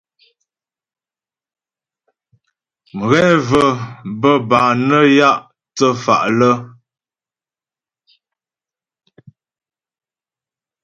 Mghɛ və̀ bə́ bâ nə́ yǎ thə́fa' lə́.